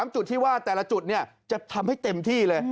จุดที่ว่าแต่ละจุดจะทำให้เต็มที่เลย